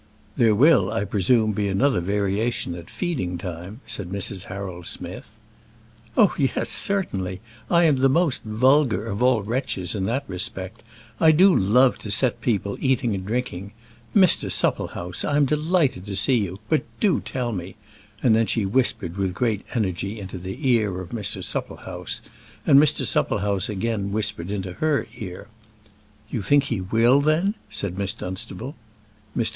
"There will, I presume, be another variation at feeding time," said Mrs. Harold Smith. "Oh, yes; certainly; I am the most vulgar of all wretches in that respect. I do love to set people eating and drinking. Mr. Supplehouse, I am delighted to see you; but do tell me " and then she whispered with great energy into the ear of Mr. Supplehouse, and Mr. Supplehouse again whispered into her ear. "You think he will, then?" said Miss Dunstable. Mr.